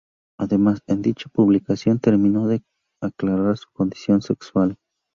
Además, en dicha publicación termino de aclarar su condición sexual.